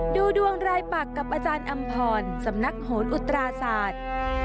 ดูดวงรายปักกับอาจารย์อำพรสำนักโหนอุตราศาสตร์